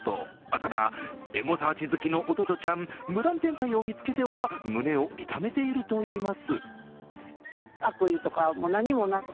ただ、エゴサーチ好きのおとどちゃん、無断転載を見つけては胸を痛めているといいます。